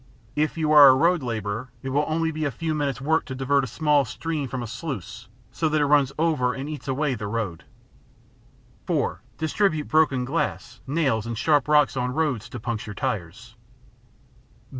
If you are a road laborer, it will be only a few minutes work to divert a small stream from a sluice so that it runs over and eats away the road. (4) Distribute broken glass, nails, and sharp rocks on roads to puncture tires.